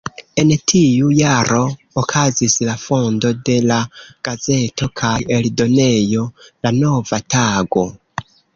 En tiu jaro okazis la fondo de la gazeto kaj eldonejo "La Nova Tago".